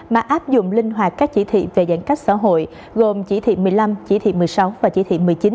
mà áp dụng linh hoạt các chỉ thị về giãn cách xã hội gồm chỉ thị một mươi năm chỉ thị một mươi sáu và chỉ thị một mươi chín